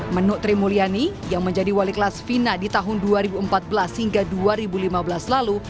menu tri mulyani yang menjadi wali kelas fina di tahun dua ribu empat belas hingga dua ribu lima belas lalu